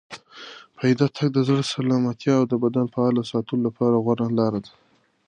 پیاده تګ د زړه سلامتیا او د بدن فعال ساتلو لپاره غوره لاره ده.